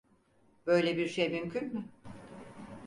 Böyle bir şey mümkün mü?